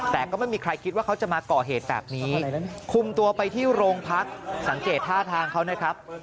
แต่ก็ไม่มีใครคิดว่าเขาจะมาก่อเหตุแบบนี้คุมตัวไปที่โรงพักสังเกตท่าทางเขานะครับ